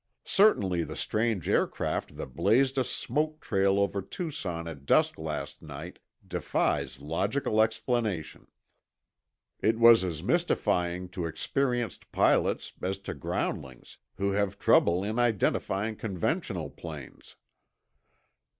Certainly the strange aircraft that blazed a smoke trail over Tucson at dusk last night defies logical explanation. It was as mystifying to experienced pilots as to groundlings who have trouble in identifying conventional planes.